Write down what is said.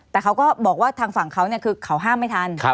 แต่เขาก็บอกว่าทางฝั่งเขาคือเขาห้ามไม่ทัน